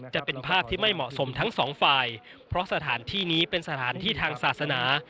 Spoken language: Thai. จะเป็นภาพที่ไม่เหมาะสมทั้งสองฝ่ายเพราะสถานที่นี้เป็นสถานที่ทางศาสนา